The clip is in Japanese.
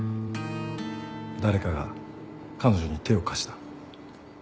誰かが彼女に手を貸した。